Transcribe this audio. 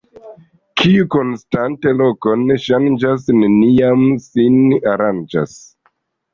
Kiu konstante lokon ŝanĝas, neniam sin aranĝas.